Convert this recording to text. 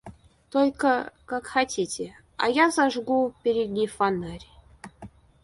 Только, как хотите, а я зажгу передний фонарь.